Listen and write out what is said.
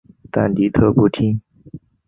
但李特不听。